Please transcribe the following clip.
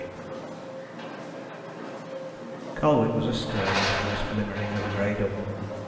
CHAPTER XX Colwyn was astir with the first glimmering of a grey dawn.